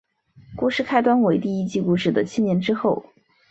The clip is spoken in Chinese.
故事开端为第一季故事的七年之后。